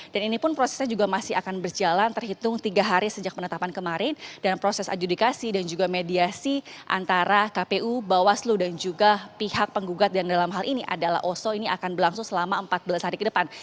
dan ini pun prosesnya juga masih akan berjalan terhitung tiga hari sejak penetapan kemarin dan proses adjudikasi dan juga mediasi antara kpu bawaslu dan juga pihak penggugat dan dalam hal ini adalah oso ini akan berlangsung selama empat belas hari ke depan